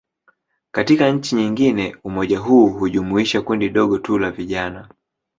Katika nchi nyingine, umoja huu hujumuisha kundi dogo tu la vijana.